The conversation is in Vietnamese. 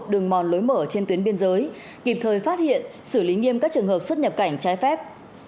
đường mòn lối mở trên tuyến biên giới kịp thời phát hiện xử lý nghiêm các trường hợp xuất nhập cảnh trái phép